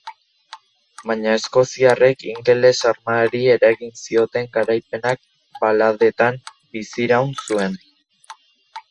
Baina eskoziarrek ingeles armadari eragin zioten garaipenak baladetan biziraun zuen.